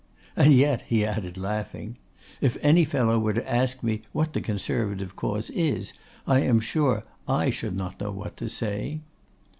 And yet,' he added, laughing, 'if any fellow were to ask me what the Conservative Cause is, I am sure I should not know what to say.